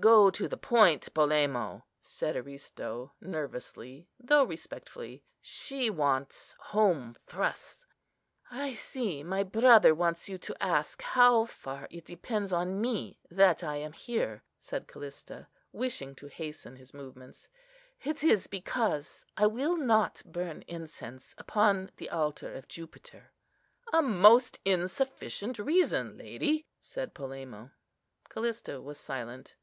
"Go to the point, Polemo," said Aristo, nervously, though respectfully; "she wants home thrusts." "I see my brother wants you to ask how far it depends on me that I am here," said Callista, wishing to hasten his movements; "it is because I will not burn incense upon the altar of Jupiter." "A most insufficient reason, lady," said Polemo. Callista was silent.